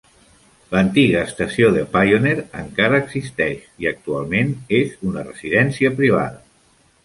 L'antiga estació de Pioneer encara existeix i actualment és una residència privada.